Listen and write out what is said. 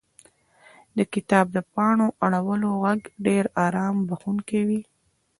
• د کتاب د پاڼو اړولو ږغ ډېر آرام بښونکی وي.